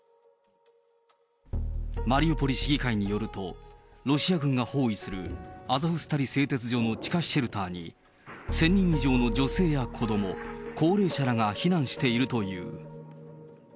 マリウポリ市議会によると、ロシア軍が包囲するアゾフスタリ製鉄所の地下シェルターに、１０００人以上の女性や子ども、高齢者らが避難しているという。